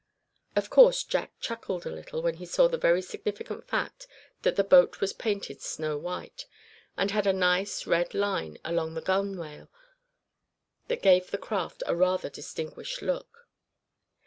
Of course Jack chuckled a little when he saw the very significant fact that the boat was painted snow white, and had a nice red line along the gunwale that gave the craft a rather distinguished look.